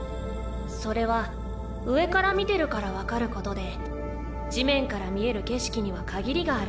それは上から見てるから分かることで地面から見える景色には限りがあるんだ。